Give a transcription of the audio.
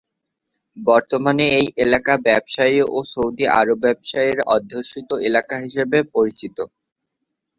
বর্তমানে এই এলাকা ব্যবসায়ী ও সৌদি আরব প্রবাসী অধ্যুষিত এলাকা হিসাবে পরিচিত।